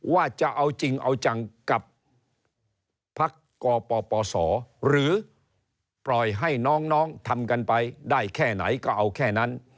ว่าจะเอาจริงเอาจังกับพักกปปศหรือปล่อยให้น้องทำกันไปได้แค่ไหนก็เอาแค่นั้น